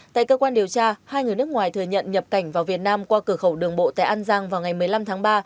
tại cơ quan điều tra hai người nước ngoài thừa nhận nhập cảnh vào việt nam qua cửa khẩu đường bộ tại an giang vào ngày một mươi năm tháng ba